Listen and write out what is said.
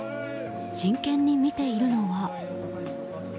真剣に見ているのは。